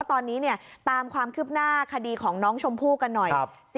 ตอนนี้ตามความคืบหน้าคดีของน้องชมพู่กันหน่อย